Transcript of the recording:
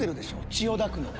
千代田区の。